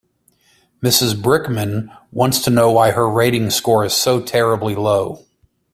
Mrs Brickman wants to know why her rating score is so terribly low.